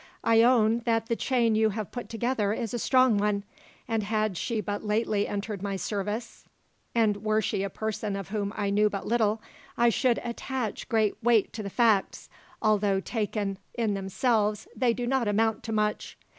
I own that the chain you have put together is a strong one, and had she but lately entered my service, and were she a person of whom I knew but little, I should attach great weight to the facts, although taken in themselves they do not amount to much.